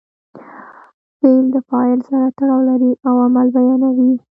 فعل د فاعل سره تړاو لري او عمل بیانوي.